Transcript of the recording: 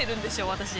私。